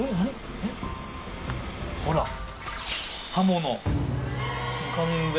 ほら。